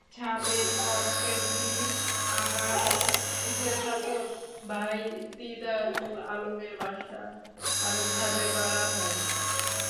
ছাদের ককটেলটি আমার জেঠাতো ভাই দিদারুল আলমের বাসার ছাদে মারা হয়।